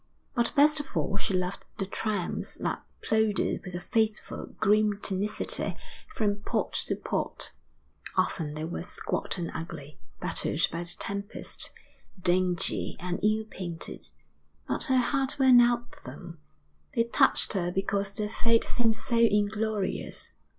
But best of all she loved the tramps that plodded with a faithful, grim tenacity from port to port; often they were squat and ugly, battered by the tempest, dingy and ill painted; but her heart went out to them. They touched her because their fate seemed so inglorious.